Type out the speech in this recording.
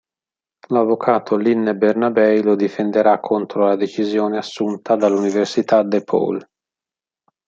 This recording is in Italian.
L'avvocato Lynne Bernabei lo difenderà contro la decisione assunta dall'Università DePaul.